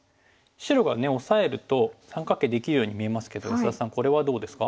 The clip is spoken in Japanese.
白がねオサえると三角形できるように見えますけど安田さんこれはどうですか？